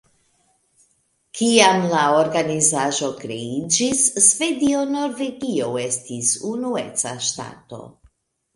Kiam la organizaĵo kreiĝis, Svedio-Norvegio estis unueca ŝtato.